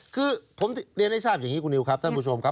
คือผมเรียนให้ทราบอย่างนี้คุณนิวครับท่านผู้ชมครับ